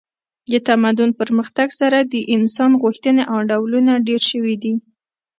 د تمدن پرمختګ سره د انسان غوښتنې او ډولونه ډیر شوي دي